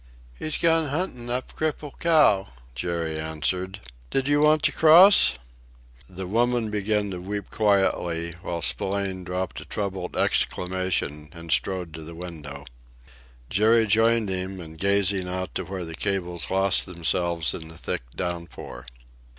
"He's gone hunting up Cripple Cow," Jerry answered. "Did you want to cross?" The woman began to weep quietly, while Spillane dropped a troubled exclamation and strode to the window. Jerry joined him in gazing out to where the cables lost themselves in the thick downpour.